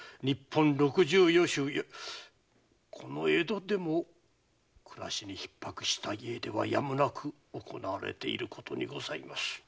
日本六十余州いやこの江戸でも暮らしに逼迫した家ではやむなく行われていることにございます。